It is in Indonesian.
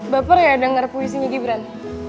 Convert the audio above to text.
baper gak denger puisinya gibran